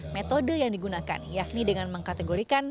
metode yang digunakan yakni dengan mengkategorikan